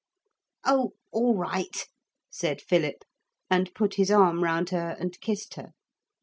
'Oh! all right,' said Philip, and put his arm round her and kissed her.